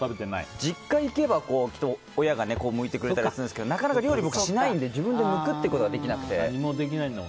実家行けば親が剥いてくれたりするんですけどなかなか料理、僕しないので自分で剥くということができなくて。